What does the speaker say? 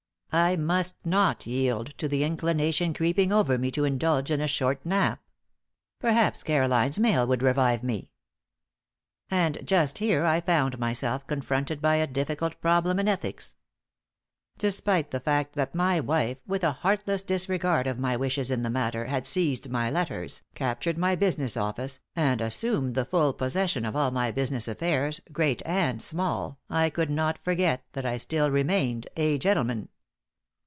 I must not yield to the inclination creeping over me to indulge in a short nap. Perhaps Caroline's mail would revive me! And just here I found myself confronted by a difficult problem in ethics. Despite the fact that my wife, with a heartless disregard of my wishes in the matter, had seized my letters, captured my business office, and assumed the full possession of all my business affairs, great and small, I could not forget that I still remained a gentleman.